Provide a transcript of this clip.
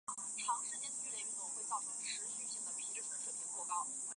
本名义久。